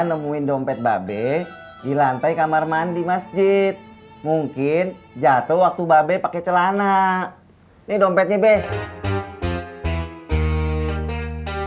nemuin dompet babe di lantai kamar mandi masjid mungkin jatuh waktu babe pakai celana ini dompetnya deh